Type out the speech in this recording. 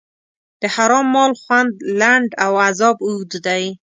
د حرام مال خوند لنډ او عذاب اوږد دی.